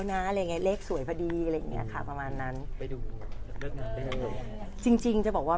ใช่ค่ะก็มีการคุยกันอยู่แล้วว่า